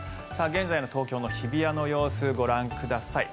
現在の東京の日比谷の様子をご覧ください。